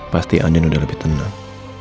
pasti andin sudah lebih tenang